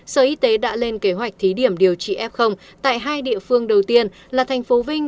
sở y tế đã lên kế hoạch thí điểm điều trị f tại hai địa phương đầu tiên là thành phố vinh